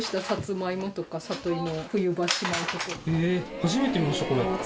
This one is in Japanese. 初めて見ましたこれ。